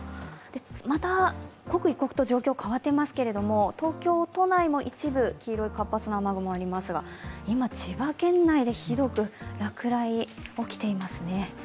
また刻一刻と状況が変わっていますけれども東京都内も一部、黄色い活発な雨雲がありますが今、千葉県内でひどく落雷、起きていますね。